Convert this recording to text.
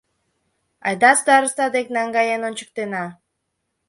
Айда староста дек наҥгаен ончыктена.